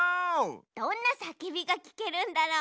どんなさけびがきけるんだろう？